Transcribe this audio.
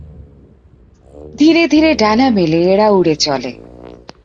ধীরে ধীরে ডানা মেলে এরা উড়ে চলে।